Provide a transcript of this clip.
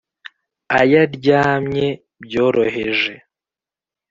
ay, aryamye byoroheje,